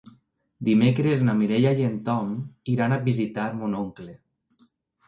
Dimecres na Mireia i en Tom iran a visitar mon oncle.